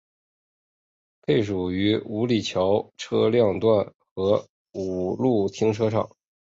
配属于五里桥车辆段和五路停车场。